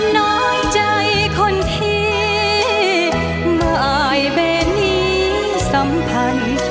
น้อยใจคนที่บ่ายเบนนี้สัมพันธ์